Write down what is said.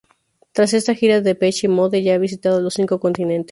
Tras esta gira Depeche Mode ya ha visitado los cinco continentes.